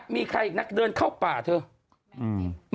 มีใครอีกนักเดินเข้าป่าเถอะ